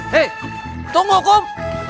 hei tunggu kum